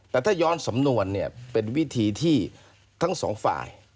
แต่ถ้าย้อนสำนวนเนี่ยเป็นวิธีที่ทั้งสองฝ่าย